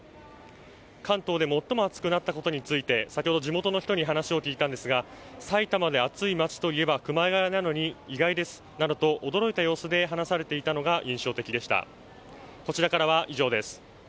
関東で最も暑くなったことについて先ほど地元の方に話を聞いたんですが埼玉で暑い街といえば熊谷なのに意外ですと驚いた様子で話されていたのが印象的でした。